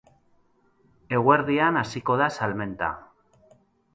Eguerdian hasiko da salmenta.